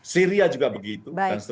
syria juga begitu